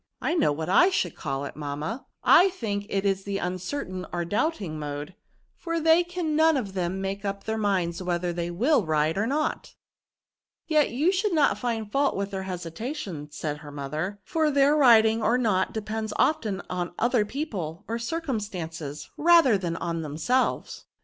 '' I know what I should call it, mamma ; I 224f VERBS. think it is the uncertain or doubting mode, for they can none of them make up their minds whether they will ride or not." " Yet you should not find fault with their hesitation/' said her mother ;^' for their rid ing or not depends often on other people or circumstances^ rather than on themselves."